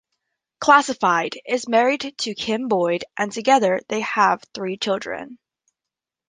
Classified is married to Kim Boyd and together, they have three children.